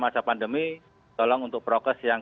masa pandemi tolong untuk prokes yang